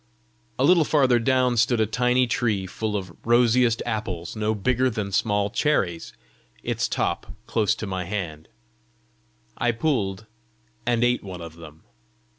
A little farther down stood a tiny tree full of rosiest apples no bigger than small cherries, its top close to my hand; I pulled and ate one of them.